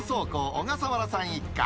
小笠原さん一家。